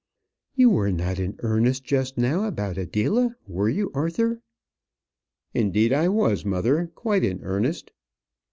"You were not in earnest just now about Adela, were you, Arthur?" "Indeed I was, mother; quite in earnest."